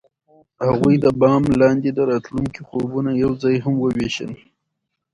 هغوی د بام لاندې د راتلونکي خوبونه یوځای هم وویشل.